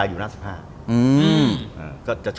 คุณสมัครอ๋อ